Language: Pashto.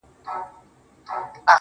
په عذاب رانه د كلي سودخوران دي،